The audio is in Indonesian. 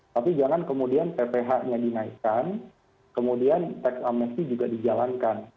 tapi jangan kemudian pph nya dinaikkan kemudian tax amnesti juga dijalankan